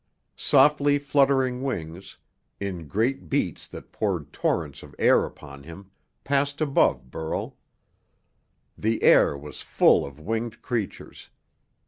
Softly fluttering wings, in great beats that poured torrents of air upon him, passed above Burl. The air was full of winged creatures.